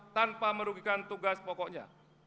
tanpa merugikan tugas pokoknya